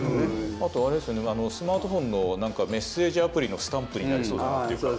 あとあれですねスマートフォンの何かメッセージアプリのスタンプになりそうなっていうか。